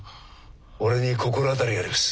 俺に心当たりがあります。